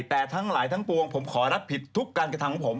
แต่ทั้งหลายทั้งปวงผมขอรับผิดทุกการกระทำของผม